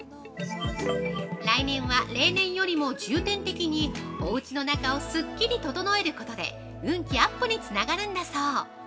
来年は、例年よりも重点的におうちの中をスッキリ整えることで運気アップにつながるんだそう。